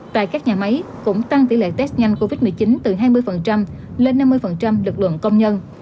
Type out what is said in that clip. tại các nhà máy cũng tăng tỷ lệ test nhanh covid một mươi chín từ hai mươi lên năm mươi lực lượng công nhân